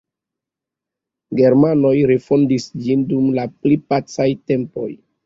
Germanoj refondis ĝin dum la pli pacaj tempoj.